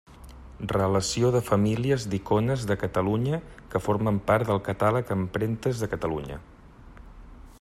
Relació de famílies d'icones de Catalunya que formen part del catàleg Empremtes de Catalunya.